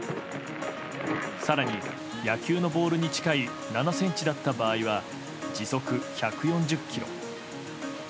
更に、野球のボールに近い７ｃｍだった場合は時速１４０キロ。